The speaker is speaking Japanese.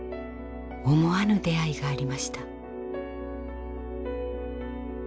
思わぬ出会いがありました。